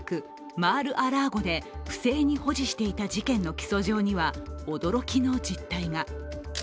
マール・ア・ラーゴで不正に保持していた事件の起訴状には、驚きの実態が。